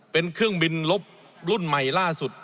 เป็นเครื่องบินลบรุ่นใหม่ล่าสุด